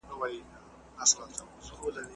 خپل هدف ته رسېدل هڅه غواړي.